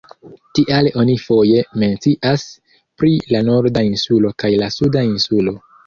Tial oni foje mencias pri la Norda Insulo kaj la Suda Insulo.